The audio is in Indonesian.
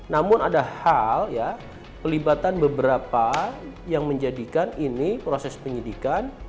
namun ada hal ya pelibatan beberapa yang menjadikan ini proses penyidikan